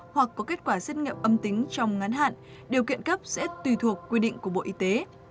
hoặc có kết quả xét nghiệm âm tính trong ngắn hạn điều kiện cấp sẽ tùy thuộc quy định của bộ y tế